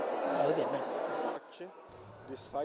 đặc biệt là về năng lượng gió